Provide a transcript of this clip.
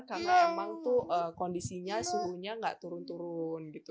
karena emang tuh kondisinya suhunya gak turun turun gitu